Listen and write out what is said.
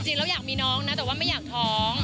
จริงแล้วอยากมีน้องนะแต่ว่าไม่อยากท้อง